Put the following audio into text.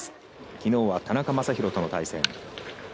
きのうは田中将大との対戦。